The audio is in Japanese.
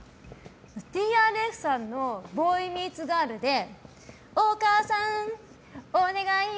ＴＲＦさんの「ボーイ・ミーツ・ガール」でお母さん、お願いよ